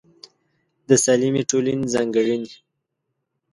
د سالمې ټولنې ځانګړنې